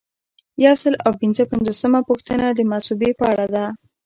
یو سل او پنځه پنځوسمه پوښتنه د مصوبې په اړه ده.